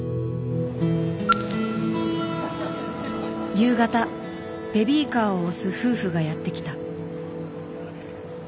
夕方ベビーカーを押す夫婦がやって来た。